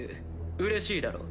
うれしいだろ。